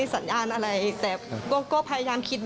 และก็มีการกินยาละลายริ่มเลือดแล้วก็ยาละลายขายมันมาเลยตลอดครับ